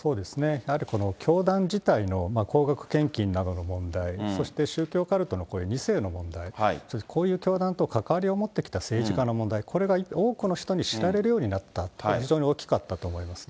やはりこの教団自体の高額献金などの問題、そして宗教カルトのこういう２世の問題、こういう教団と関わりを持ってきた政治家の問題、これが多くの方に知られるようになったって、非常に大きかったと思いますね。